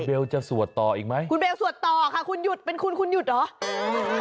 จะสวดต่ออีกไหมคุณเบลสวดต่อค่ะคุณหยุดเป็นคุณคุณหยุดเหรอ